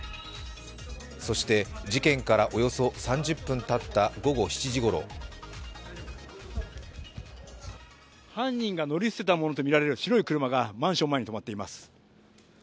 そして、事件からおよそ３０分たった午後７時ごろ犯人が乗り捨てたものとみられる白い車がマンション前に止まっています。